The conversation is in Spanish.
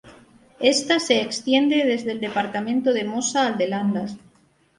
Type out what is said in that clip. Esta se extiende desde el departamento de Mosa al de Landas.